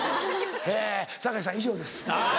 え堺さん以上です。